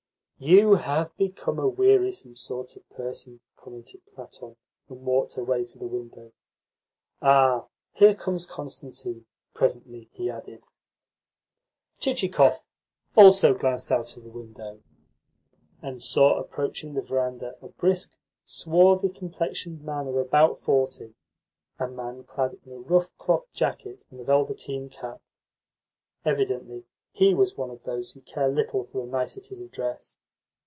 "You have become a wearisome sort of person," commented Platon, and walked away to the window. "Ah, here comes Constantine," presently he added. Chichikov also glanced out of the window, and saw approaching the verandah a brisk, swarthy complexioned man of about forty, a man clad in a rough cloth jacket and a velveteen cap. Evidently he was one of those who care little for the niceties of dress.